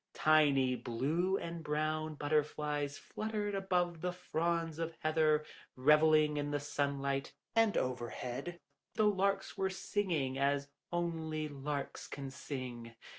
Tiny blue and brown butterflies fluttered above the fronds of heather, revelling in the sunlight, and overhead the larks were singing as only larks can sing.